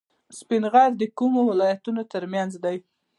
سپین غر د کومو ولایتونو ترمنځ دی؟